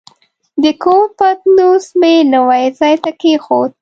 د کور پتنوس مې نوي ځای ته کېښود.